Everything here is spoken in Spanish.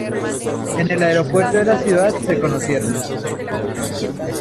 En el aeropuerto de la ciudad se conocieron.